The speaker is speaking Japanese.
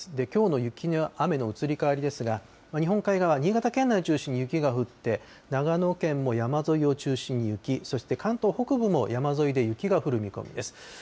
きょうの雪や雨の移り変わりですが、日本海側、新潟県内を中心に雪が降って、長野県も山沿いを中心に雪、そして関東北部も山沿いで雪が降る見込みです。